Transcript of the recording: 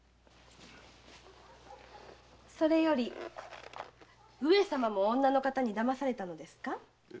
それより上様も女の方に騙されたのですか？